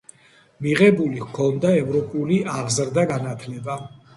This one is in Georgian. მიღებული ჰქონდა ევროპული აღზრდა-განათლება.